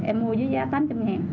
em mua dưới giá tám trăm linh ngàn